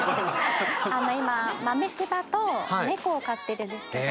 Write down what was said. あの今豆柴と猫を飼ってるんですけど。